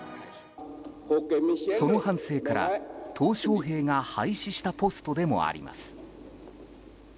その反省からトウ・ショウヘイが廃止したポストでもあります。